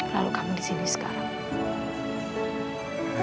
lalu kami di sini sekarang